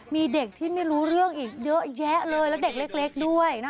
มีเด็กที่ไม่รู้เรื่องอีกเยอะแยะเลยแล้วเด็กเล็กด้วยนะคะ